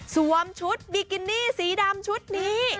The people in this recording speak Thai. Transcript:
ชุดบิกินี่สีดำชุดนี้